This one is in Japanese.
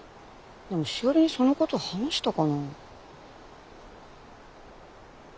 でも詩織にそのこと話したかな？